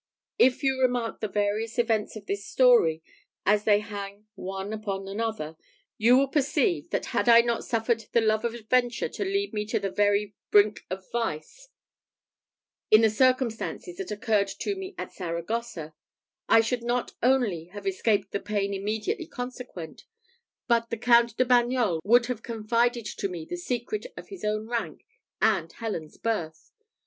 If you remark the various events of this story, as they hang one upon another, you will perceive, that had I not suffered the love of adventure to lead me to the very brink of vice, in the circumstances that occurred to me at Saragossa, I should not only have escaped the pain immediately consequent, but the Count de Bagnols would have confided to me the secret of his own rank and Helen's birth.